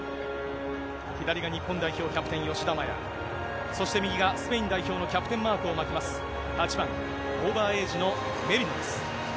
左が日本代表キャプテン、吉田麻也、そして右がスペイン代表のキャプテンマークを巻きます、８番、オーバーエイジのメリーノ。